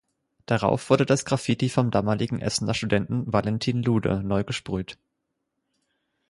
Darauf wurde das Graffiti vom damaligen Essener Studenten Valentin Lude neu gesprüht.